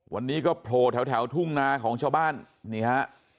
วันนี้ก็โผล่แถวทุ่งนาของชาวบ้านนี่ฮะ